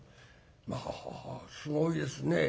まあすごいですね。